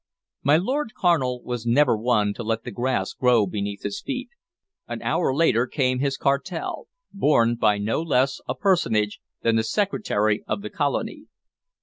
My Lord Carnal was never one to let the grass grow beneath his feet. An hour later came his cartel, borne by no less a personage than the Secretary of the colony.